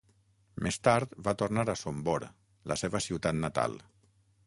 Més tard va tornar a Sombor, la seva ciutat natal.